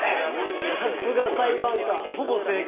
さすが裁判官ほぼ正解。